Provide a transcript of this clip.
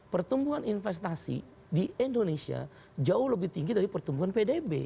pertumbuhan investasi di indonesia jauh lebih tinggi dari pertumbuhan pdb